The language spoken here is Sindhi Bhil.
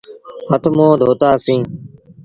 هٿ منهن دوتآ سيٚݩ۔